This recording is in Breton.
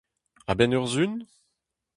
A-benn ur sizhun ?